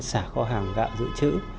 xả kho hàng gạo dự trữ